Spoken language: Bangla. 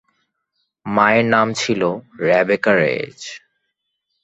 মায়ের নাম ছিল রেবেকা রেয়েজ।